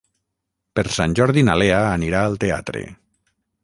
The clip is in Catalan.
Per Sant Jordi na Lea anirà al teatre.